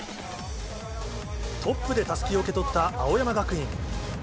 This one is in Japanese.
トップでたすきを受け取った青山学院。